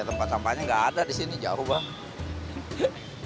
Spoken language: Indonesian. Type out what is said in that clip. ya tempat sampahnya enggak ada di sini jauh banget